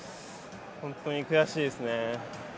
本当に悔しいですね。